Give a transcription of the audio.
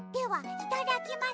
いただきます。